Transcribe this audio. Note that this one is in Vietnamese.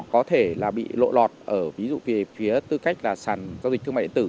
có thể là bị lộ lọt ở ví dụ về phía tư cách là sàn giao dịch thương mại điện tử